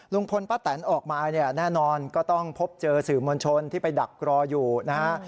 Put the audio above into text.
ลุงพลป้าแตนออกมาเนี่ยแน่นอนก็ต้องพบเจอสื่อมวลชนที่ไปดักรออยู่นะฮะ